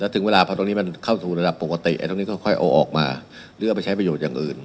ถึงเวลาที่มันเข้าถูกระดับปกติก็ค่อยเอาออกมาเลือกไปใช้ประโยชน์อย่างอื่น